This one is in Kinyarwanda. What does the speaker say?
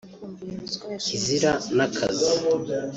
Kizira na Kazi